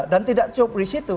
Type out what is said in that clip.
dan tidak cukup disitu